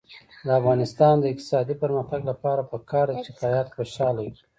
د افغانستان د اقتصادي پرمختګ لپاره پکار ده چې خیاط خوشحاله وي.